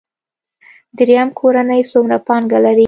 دریم کورنۍ څومره پانګه لري.